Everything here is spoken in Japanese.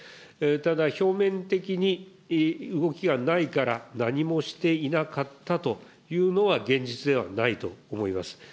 ただ、表面的に動きがないから何もしていなかったというのは、現実ではないと思います。